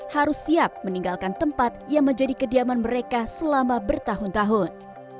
harus siap meninggalkan tempat yang menjadi kediaman mereka selama bertahun tahun